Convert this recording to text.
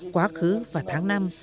quá khứ và tháng năm